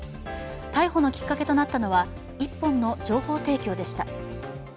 逮捕のきっかけとなったのは１本の情報提供でした。